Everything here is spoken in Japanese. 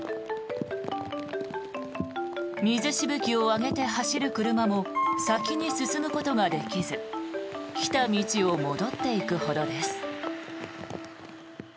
水しぶきを上げて走る車も先に進むことができず来た道を戻っていくほどです。